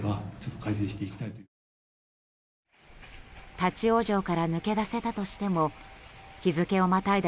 立ち往生から抜け出せたとしても日付をまたいだ